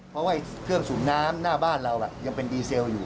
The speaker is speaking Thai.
เพราะว่าเครื่องสูบน้ำหน้าบ้านเรายังเป็นดีเซลอยู่